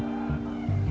punya twitter juga